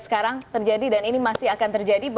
sekarang terjadi dan ini masih akan terjadi